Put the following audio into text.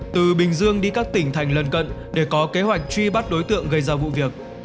từ bình dương đi các tỉnh thành lân cận để có kế hoạch truy bắt đối tượng gây ra vụ việc